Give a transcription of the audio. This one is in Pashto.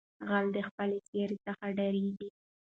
ـ غل دې خپلې سېرې څخه ډاريږي.